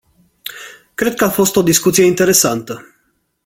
Cred că a fost o discuție interesantă.